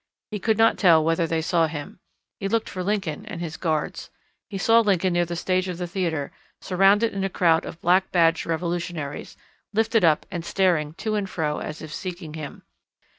He could not tell whether they saw him. He looked for Lincoln and his guards. He saw Lincoln near the stage of the theatre surrounded in a crowd of black badged revolutionaries, lifted up and staring to and fro as if seeking him.